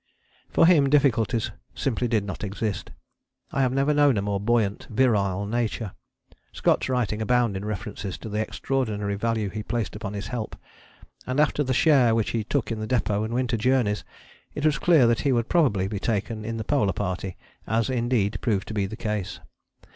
For him difficulties simply did not exist. I have never known a more buoyant, virile nature. Scott's writings abound in references to the extraordinary value he placed upon his help, and after the share which he took in the Depôt and Winter Journeys it was clear that he would probably be taken in the Polar Party, as indeed proved to be the case.